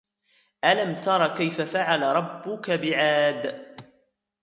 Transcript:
أَلَمْ تَرَ كَيْفَ فَعَلَ رَبُّكَ بِعَادٍ